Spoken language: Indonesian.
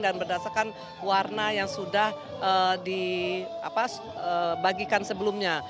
dan berdasarkan warna yang sudah dibagikan sebelumnya